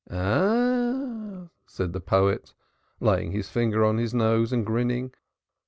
"Aha!" said the poet, laying his finger on his nose and grinning.